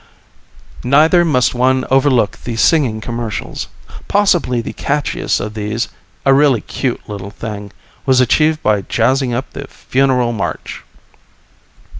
Neither must one overlook the singing commercials. Possibly the catchiest of these, a really cute little thing, was achieved by jazzing up the Funeral March.